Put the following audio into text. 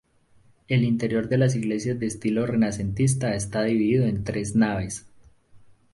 El interior de las iglesias de estilo renacentista está dividido en tres naves.